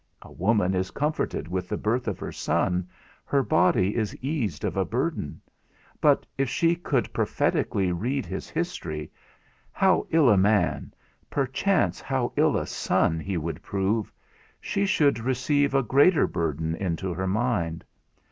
A woman is comforted with the birth of her son, her body is eased of a burden; but if she could prophetically read his history, how ill a man, perchance how ill a son, he would prove, she should receive a greater burden into her mind.